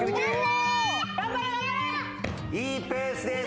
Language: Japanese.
いいペースです。